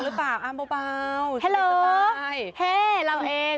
อ้าวเปล่าสวัสดีสบายแฮลโหลแฮเราเอง